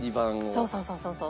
そうそうそうそうそう。